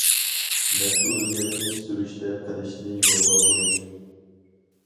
مەسئۇلىيەتنى سۈرۈشتە قىلىشنى يولغا قويۇش.